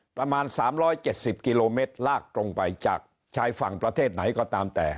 ประมาณสามร้อยเจ็ดสิบกิโลเมตรลากลงไปจากชายฝั่งประเทศไหนก็ตามแต่